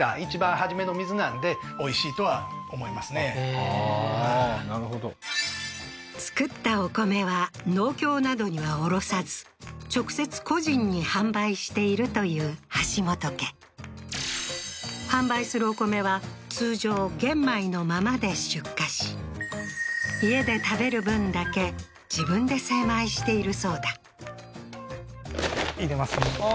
ああーなるほど作ったお米は農協などには卸さず直接個人に販売しているという橋本家販売するお米は通常玄米のままで出荷し家で食べる分だけ自分で精米しているそうだあ